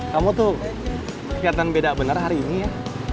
kamu tuh keliatan beda bener hari ini ya